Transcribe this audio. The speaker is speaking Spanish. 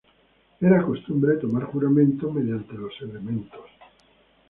Era costumbre tomar juramento mediante los elementos.